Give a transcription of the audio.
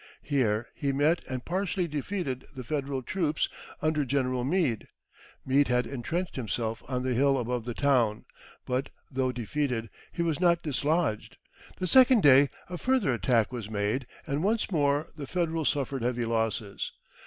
Here he met and partially defeated the Federal troops under General Meade. Meade had entrenched himself on the hill above the town; but, though defeated, he was not dislodged. The second day a further attack was made, and once more the Federals suffered heavy losses.